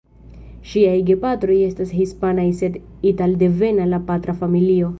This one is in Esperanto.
Ŝiaj gepatroj estas hispanaj sed italdevena la patra familio.